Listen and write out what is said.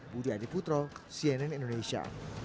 budi adiputro cnn indonesia